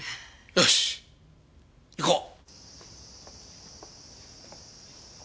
よし行こう！